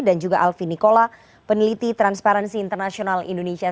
dan juga alvin nikola peneliti transparansi internasional indonesia